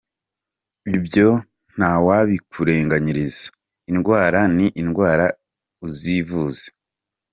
Ibyo ntawabikurenganyiriza, indwara ni indwara, uzivuze.